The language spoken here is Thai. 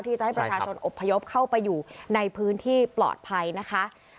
ที่จะให้ประชาชนอบพยพเข้าไปอยู่ในพื้นที่ปลอดภัยนะคะ